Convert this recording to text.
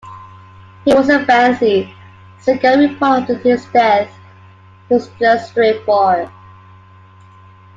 "He wasn't fancy," Seeger reported after his death "He was just straightforward.